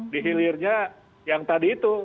di hilirnya yang tadi itu